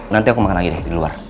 nanti aku makan lagi deh di luar